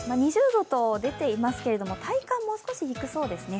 ２０度と出ていますけど、体感、もう少し低そうですね。